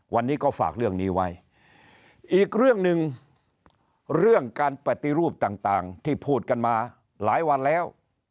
วันนี้ก็ฝากเรื่องนี้ไว้อีกเรื่องหนึ่งเรื่องการปฏิรูปต่างที่พูดกันมาหลายวันแล้ว